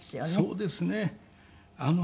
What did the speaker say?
そうですね。